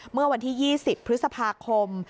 เมื่อวันที่๒๐พฤษภาคม